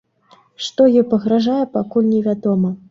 Што ёй пагражае, пакуль невядома.